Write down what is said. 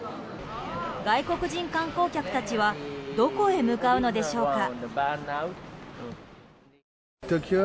外国人観光客たちはどこへ向かうのでしょうか。